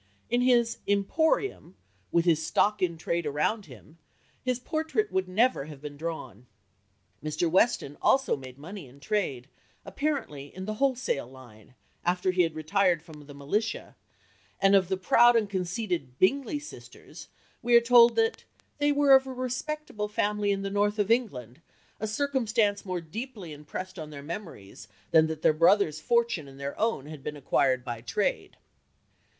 In his "emporium," with his stock in trade around him, his portrait would never have been drawn. Mr. Weston also made money in trade, apparently "in the wholesale line," after he had retired from the militia, and of the proud and conceited Bingley sisters we are told that "they were of a respectable family in the north of England; a circumstance more deeply impressed on their memories than that their brother's fortune and their own had been acquired by trade."